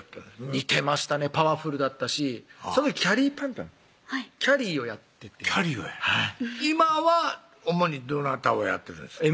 似てましたねパワフルだったしその時きゃりーぱみゅぱみゅ？はいきゃりーをやっててきゃりーを今は主にどなたをやってるんですか？